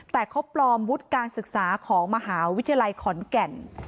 แต่เขาปลอมวุฒิการศึกษาของมหาวิทยาลัยขอนแก่น